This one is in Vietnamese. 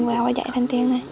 về hoa dạy thanh tiên này